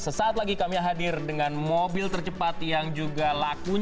sesaat lagi kami hadir dengan mobil tercepat yang juga lakunya